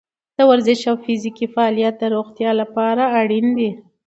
د ورزش او فزیکي فعالیت د روغتیا لپاره اړین دی.